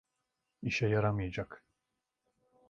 İşe yaramayacak.